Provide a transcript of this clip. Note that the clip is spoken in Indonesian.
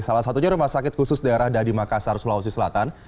salah satunya rumah sakit khusus daerah dadi makassar sulawesi selatan